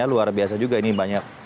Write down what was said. luar biasa juga ini banyak